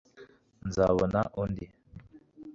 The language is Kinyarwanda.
nzabona undi